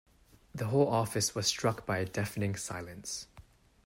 The whole office was struck by a deafening silence.